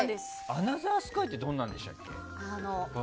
「アナザースカイ」ってどんなんでしたっけ？